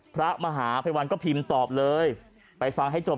พระมหาพิวัลก็พิมพ์ตอบเลยไปฟังให้จบกรยม